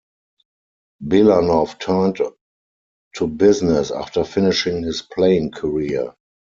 Belanov turned to business after finishing his playing career.